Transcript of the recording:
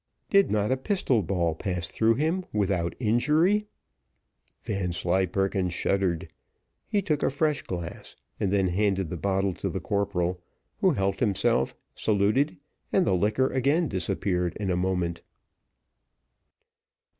did not a pistol ball pass through him without injury? Vanslyperken shuddered; he took a fresh glass, and then handed the bottle to the corporal, who helped himself, saluted, and the liquor again disappeared in a moment.